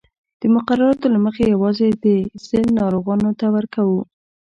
د مقرراتو له مخې یوازې د سِل ناروغانو ته ورکوو.